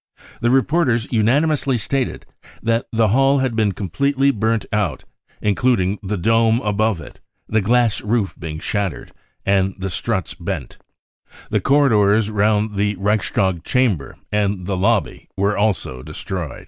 The reporters unanimously stated that" the hall had been completely burnt out, including the dome above it, the glass roof being shattered, and the struts bentr The corridors round the Reichstag chamber and the lobby were also destroyed.